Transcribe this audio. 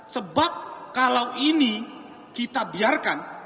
sebab kalau ini kita biarkan